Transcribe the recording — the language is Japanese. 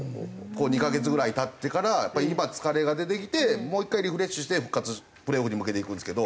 ２カ月ぐらい経ってからやっぱり今疲れが出てきてもう１回リフレッシュしてプレーオフに向けていくんですけど。